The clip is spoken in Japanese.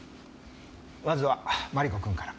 まずはマリコ君から。